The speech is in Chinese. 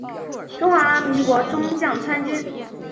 中华民国中将参军。